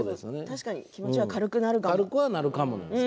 確かに気持ちは軽くなるかもなんです。